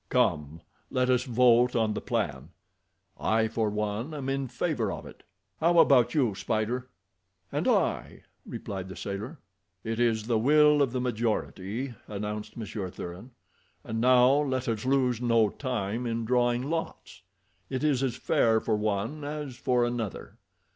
"Come, let us vote on the plan; I for one am in favor of it. How about you, Spider?" "And I," replied the sailor. "It is the will of the majority," announced Monsieur Thuran, "and now let us lose no time in drawing lots. It is as fair for one as for another.